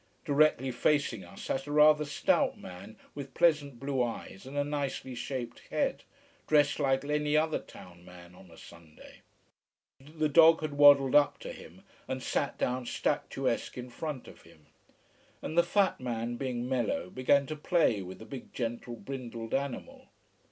Directly facing us sat a rather stout man with pleasant blue eyes and a nicely shaped head: dressed like any other town man on a Sunday. The dog had waddled up to him and sat down statuesque in front of him. And the fat man, being mellow, began to play with the big, gentle, brindled animal.